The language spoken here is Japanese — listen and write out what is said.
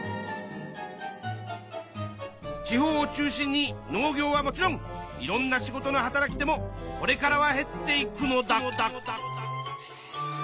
地方を中心に農業はもちろんいろんな仕事の働き手もこれからは減っていくのだ。